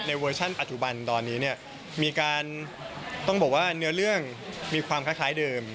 เวอร์ชั่นปัจจุบันตอนนี้เนี่ยมีการต้องบอกว่าเนื้อเรื่องมีความคล้ายเดิม